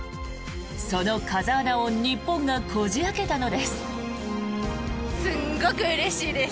その風穴を日本がこじ開けたのです。